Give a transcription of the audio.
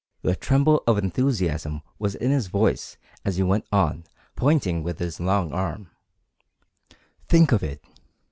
The tremble of enthusiasm was in his voice as he went on, pointing with his long arm: "Think of it!